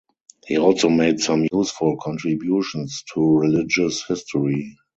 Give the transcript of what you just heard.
He also made some useful contributions to religious history.